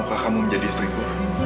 maukah kamu menjadi istriku